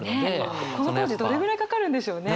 この当時どれぐらいかかるんでしょうね。